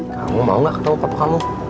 kamu mau gak ketemu papa kamu